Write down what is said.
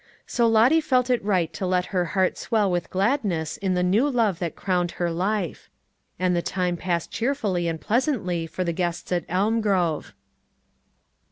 So Lottie felt it right to let her heart swell with gladness in the new love that crowned her life; and the time passed cheerfully and pleasantly to the guests at Elmgrove.